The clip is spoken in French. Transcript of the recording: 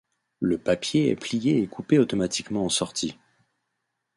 Le papier est plié et coupé automatiquement en sortie.